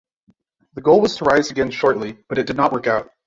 The goal was to rise again shortly, but it did not work out.